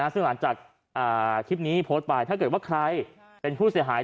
ซึ่งหลังจากคลิปนี้โพสต์ไปถ้าเกิดว่าใครเป็นผู้เสียหาย